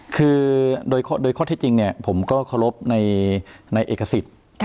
คือโดยข้อที่จริงผมก็เคารพในเอกสิทธิ์